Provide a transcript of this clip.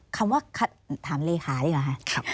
คำว่าถามเลขาดีกว่าค่ะ